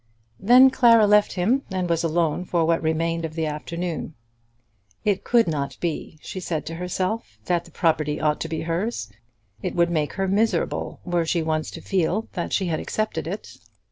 Then Clara left him and was alone for what remained of the afternoon. It could not be, she said to herself, that the property ought to be hers. It would make her miserable, were she once to feel that she had accepted it.